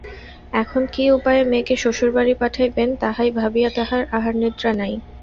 এখন কী উপায়ে মেয়েকে শ্বশুরবাড়ি পাঠাইবেন, তাহাই ভাবিয়া তাঁহার আহারনিদ্রা নাই।